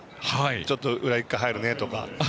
ちょっと裏に１回入るねとか。